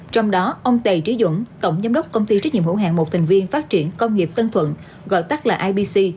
trong đó ông tề trí dũng tổng giám đốc công ty trách nhiệm hữu hạng một thành viên phát triển công nghiệp tân thuận gọi tắt là ibc